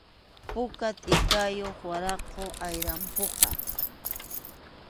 Puka tʼikayuq waraqum ayrampuqa.